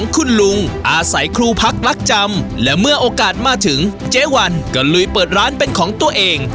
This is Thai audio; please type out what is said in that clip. คุณลุงอาศัยครูพักรักจำและเมื่อโอกาสมาถึงเจ๊วันก็ลุยเปิดร้านเป็นของตัวเอง